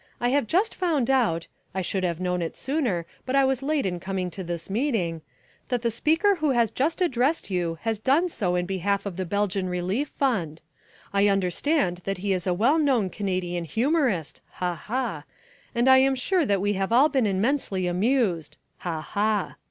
I have just found out I should have known it sooner, but I was late in coming to this meeting that the speaker who has just addressed you has done so in behalf of the Belgian Relief Fund. I understand that he is a well known Canadian humourist (ha! ha!) and I am sure that we have all been immensely amused (ha! ha!).